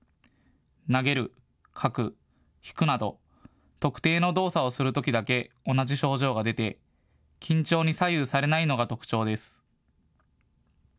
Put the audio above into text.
投げる、書く、弾くなど特定の動作をするときだけ同じ症状が出て緊張に左右されないのが特徴です。